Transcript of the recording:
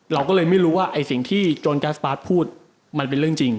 เราก็เลยไม่รู้ว่าไอ้สิ่งที่โจรแก๊สปาร์ทพูดมันเป็นเรื่องจริง